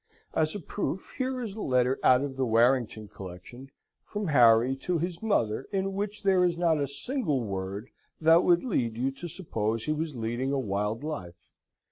As a proof here is a letter out of the Warrington collection, from Harry to his mother in which there is not a single word that would lead you to suppose he was leading a wild life.